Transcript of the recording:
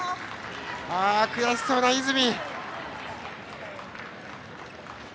悔しそうな泉。